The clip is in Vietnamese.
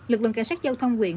lực lượng cả sát giao thông huyện